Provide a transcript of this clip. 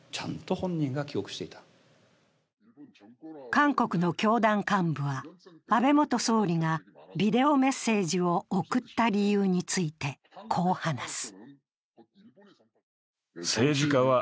韓国の教団幹部は安倍元総理がビデオメッセージを送った理由についてこう話す。